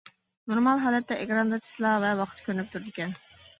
نورمال ھالەتتە ئېكراندا چىسىلا ۋە ۋاقىت كۆرۈنۈپ تۇرىدىكەن.